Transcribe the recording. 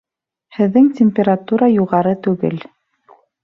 Һеҙҙең температура юғары түгел